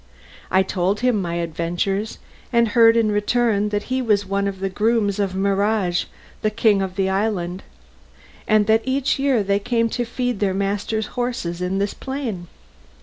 I told him my adventures, and heard in return that he was one of the grooms of Mihrage, the king of the island, and that each year they came to feed their master's horses in this plain.